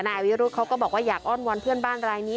นายอวิรุธเขาก็บอกว่าอยากอ้อนวอนเพื่อนบ้านรายนี้